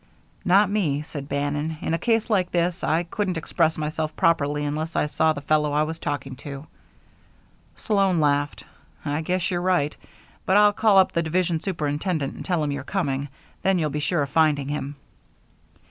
"Not me," said Bannon. "In a case like this I couldn't express myself properly unless I saw the fellow I was talking to." Sloan laughed. "I guess you're right. But I'll call up the division superintendent and tell him you're coming. Then you'll be sure of finding him."